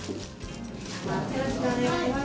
よろしくお願いします。